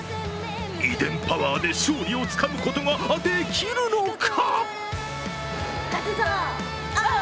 遺伝パワーで勝利をつかむことができるのか。